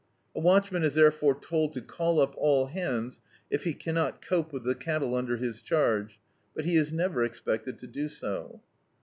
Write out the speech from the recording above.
A watchman is therefore told to call up all hands, if he cannot cope with the cattle under his charge, but he is never expected to do so.